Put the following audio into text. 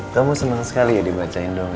kamu senang sekali ya dibacain dong